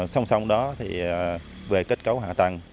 song song đó về kết cấu hạ tầng